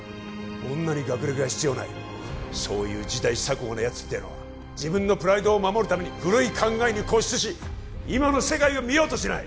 女に学歴は必要ないそういう時代錯誤なやつっていうのは自分のプライドを守るために古い考えに固執し今の世界を見ようとしない！